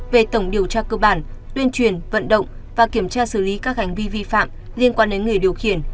về tổng điều tra cơ bản tuyên truyền vận động và kiểm tra xử lý các hành vi vi phạm liên quan đến người điều khiển